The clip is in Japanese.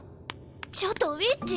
ちょっとウィッチ。